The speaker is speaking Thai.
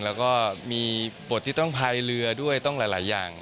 แล้วก็มีบทที่ต้องพายเรือด้วยต้องหลายอย่าง